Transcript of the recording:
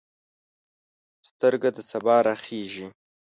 سترګه د سبا راخیژي